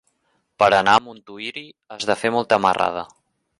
Per anar a Montuïri has de fer molta marrada.